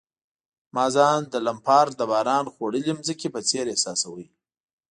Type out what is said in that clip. ما ځان د لمپارډ د باران خوړلي مځکې په څېر احساساوه.